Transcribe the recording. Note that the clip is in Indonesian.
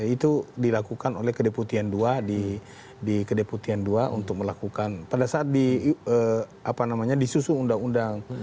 itu dilakukan oleh kedeputian ii di kedeputian dua untuk melakukan pada saat disusun undang undang